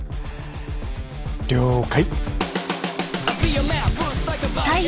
了解。